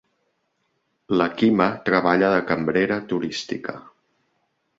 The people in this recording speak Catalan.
La Quima treballa de cambrera turística.